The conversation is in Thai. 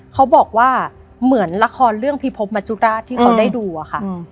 เขาบอกว่าเหมือนละครเรื่องพิพบมจุราชที่เขาได้ดูอะค่ะ